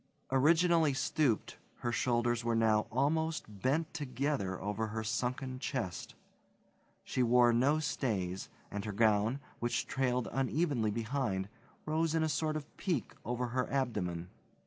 Originally stooped, her shoulders were now almost bent together over her sunken chest. She wore no stays, and her gown, which trailed unevenly behind, rose in a sort of peak over her abdomen.